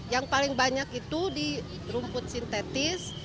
yang paling banyak itu di rumput sintetis